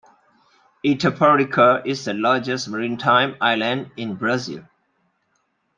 Itaparica is the largest maritime island in Brazil.